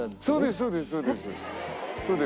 そうですそうです。